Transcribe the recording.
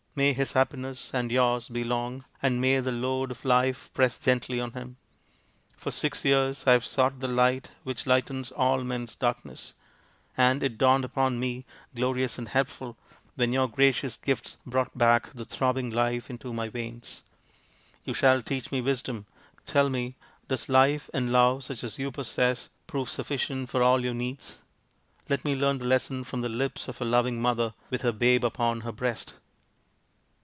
May his happiness and yours be long, and may the load of life press gently on him. For six years I have sought the light which lightens all men's darkness, and it dawned upon me, glorious and helpful, when your gracious gift brought back 190 THE INDIAN STORY BOOK the throbbing life into my veins. You shall teach me wisdom. Tell me, does life and love such as you possess prove sufficient for all your needs ? Let me learn the lesson from the lips of a loving mother with her babe upon her breast."